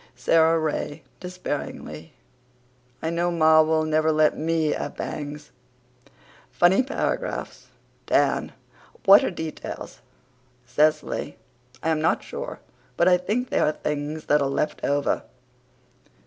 (SARA RAY, DESPAIRINGLY: "I know ma will never let ME have bangs.") FUNNY PARAGRAPHS D n. What are details? C l y. I am not sure, but I think they are things that are left over.